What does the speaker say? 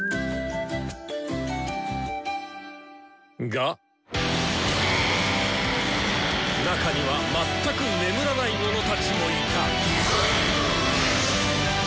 が中には全く眠らない者たちもいた！